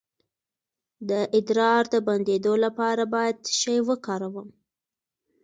د ادرار د بندیدو لپاره باید څه شی وکاروم؟